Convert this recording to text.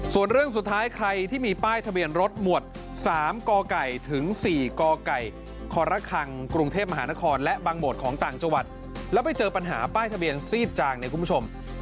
ส่วนเรื่องสุดท้ายใครที่มีป้ายทะเบียนรถหมวด๓กไก่ถึง๔กไก่ครคังกรุงเทพมหานครและบางโหมดของต่างจังหวัดแล้วไปเจอปัญหาป้ายทะเบียนซีดจางเนี่ยคุณผู้ชม